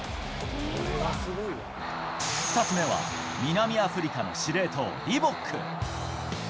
２つ目は、南アフリカの司令塔、リボック。